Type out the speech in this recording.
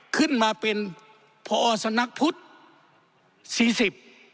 ขึ้นมาเป็นพสนักพุทธ๔๐